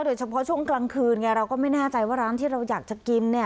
โดยเฉพาะช่วงกลางคืนไงเราก็ไม่แน่ใจว่าร้านที่เราอยากจะกิน